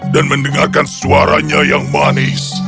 dan mendengarkan suaranya yang manis